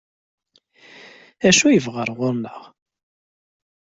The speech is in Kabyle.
D acu ay bɣan ɣur-neɣ?